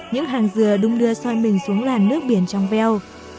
những hàng dừa đúng đưa soi mình xuống làn nước biển trong veo